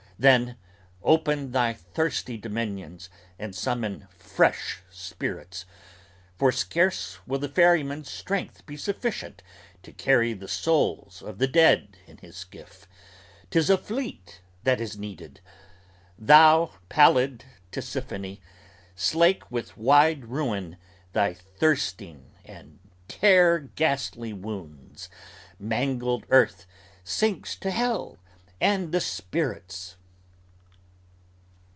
Then, open thy thirsty dominions and summon fresh spirits; For scarce will the ferryman's strength be sufficient to carry The souls of the dead in his skiff: 'tis a fleet that is needed! Thou, Pallid Tisiphone, slake with wide ruin, thy thirsting And tear ghastly wounds: mangled earth sinks to hell and the spirits.